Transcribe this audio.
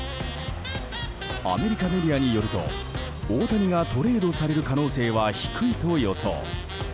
アメリカメディアによると大谷がトレードされる可能性は低いと予想。